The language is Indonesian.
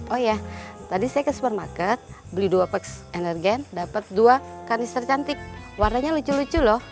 oh iya tadi saya ke supermarket beli dua box energen dapet dua kanister cantik warnanya lucu lucu loh